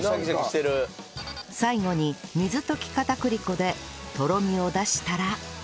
最後に水溶き片栗粉でとろみを出したら